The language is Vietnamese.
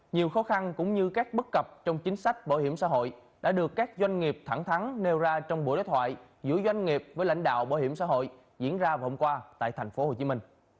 nhiều khó khăn cũng như các bất cập trong chính sách bảo hiểm xã hội đã được các doanh nghiệp thẳng thắng nêu ra trong buổi đối thoại giữa doanh nghiệp với lãnh đạo bảo hiểm xã hội diễn ra vừa hôm qua tại tp hcm